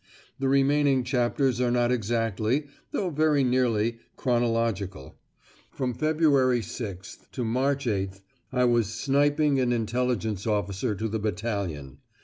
The remaining chapters are not exactly, though very nearly, chronological. From February 6th to March 8th I was Sniping and Intelligence officer to the battalion.